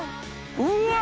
うわ！